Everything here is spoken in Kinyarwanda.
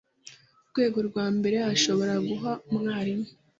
rwego rwa mbere ashobora guha umwarimu